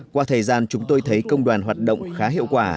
qua thời gian chúng tôi thấy công đoàn hoạt động khá hiệu quả